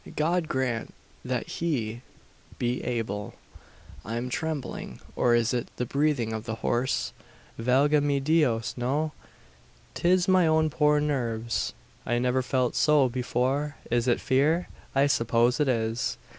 God grant that he be able! "I am trembling! Or is it the breathing of the horse? Valga me Dios, no! 'Tis my own poor nerves! "I never felt so before! Is it fear? I suppose it is.